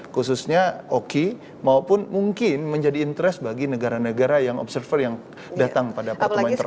khususnya oki maupun mungkin menjadi interest bagi negara negara yang observer yang datang pada pertemuan tersebut